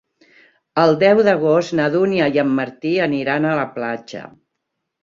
El deu d'agost na Dúnia i en Martí aniran a la platja.